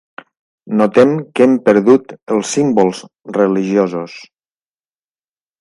Notem que hem perdut els símbols religiosos.